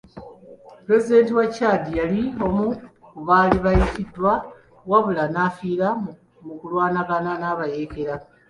Pulezidenti wa Chad yali omu ku baali bayitiddwa wabula n'afiira mu kulwanagana n'abayeekera.